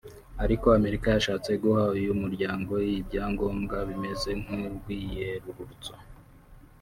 Ariko Amerika yashatse guha uyu muryango ibyangombwa bimeze nk’urwiyerurutso